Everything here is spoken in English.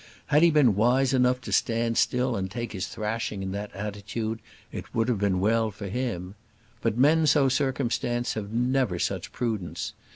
Had he been wise enough to stand still and take his thrashing in that attitude, it would have been well for him. But men so circumstanced have never such prudence.